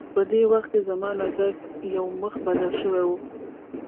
په دې وخت کې زما نظر یو مخ بدل شوی و.